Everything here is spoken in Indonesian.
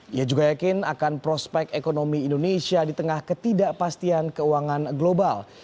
ia juga yakin akan prospek ekonomi indonesia di tengah ketidakpastian keuangan global